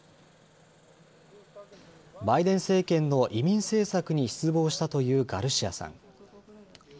バイデン政権の移民政策に失望したというガルシアさん。